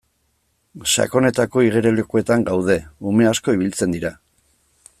Sakonetako igerilekuetan gaude ume asko ibiltzen dira.